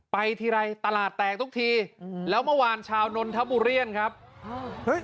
ไปทีไรตลาดแตกทุกทีอืมแล้วเมื่อวานชาวนนทบุรีครับเฮ้ย